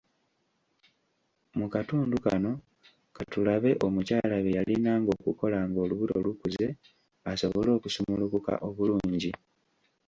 Mu katundu kano katulabe omukyala bye yalinanga okukola ng’olubuto lukuze asobole okusumulukuka obulungi.